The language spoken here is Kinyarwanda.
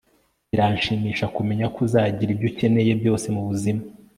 biranshimisha kumenya ko uzagira ibyo ukeneye byose mubuzima